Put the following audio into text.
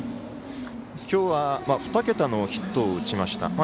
きょうは２桁のヒットを打ちました。